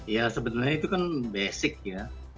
ya sebetulnya itu kan basic ya